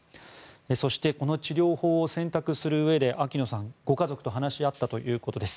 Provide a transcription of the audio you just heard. そしてこの治療法を選択するうえで秋野さん、ご家族と話し合ったということです。